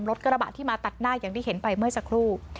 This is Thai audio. รถกระบะที่มาตัดหน้าอย่างที่เห็นไปเมื่อสักครู่